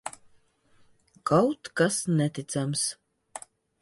Kaut kas neticams!